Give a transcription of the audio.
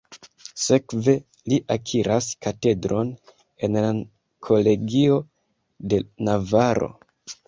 Sekve, li akiras katedron en la Kolegio de Navaro.